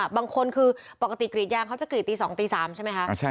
บางคนคือปกติกรีดยางเขาจะกรีดตี๒ตี๓ใช่ไหมคะ